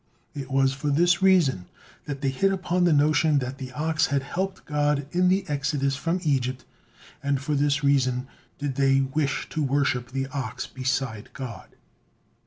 It was for this reason that they hit upon the notion that the ox had helped God in the exodus from Egypt, and for this reason did they wish to worship the ox beside God.